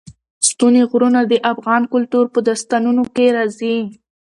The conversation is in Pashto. ستوني غرونه د افغان کلتور په داستانونو کې راځي.